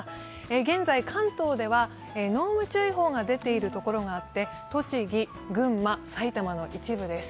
現在、関東では濃霧注意報が出ている所があって栃木、群馬、埼玉の一部です。